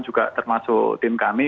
juga termasuk tim kami